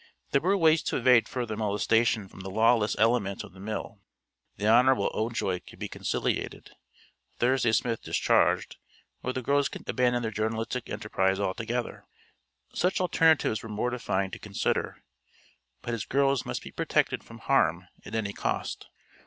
There were ways to evade further molestation from the lawless element at the mill. The Hon. Ojoy could be conciliated; Thursday Smith discharged; or the girls could abandon their journalistic enterprise altogether. Such alternatives were mortifying to consider, but his girls must be protected from harm at any cost.